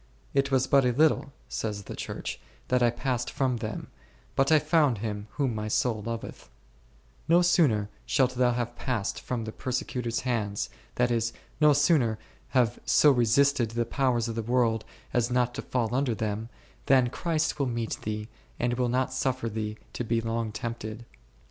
It was but a little, says the Church, that I passed from them, but I found Him whom my soul loveth ; no sooner shalt thou have passed from the per secutors' hands, that is, no sooner have so resisted the powers of the world as not to fall under them, than Christ will meet thee, and will not suffer thee to be long tempted.